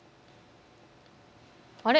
あれ？